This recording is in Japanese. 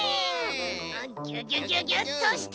ギュギュギュギュッとして。